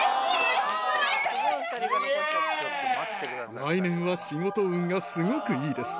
来年は仕事運がすごくいいです。